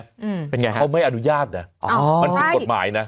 เป็นยังไงครับเขาไม่อนุญาตนะมันผิดกฎหมายนะ